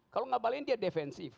kalau ngabalin dia defensif